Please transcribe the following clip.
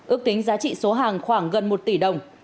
ước tính giá trị số hàng khoảng gần một tỷ đồng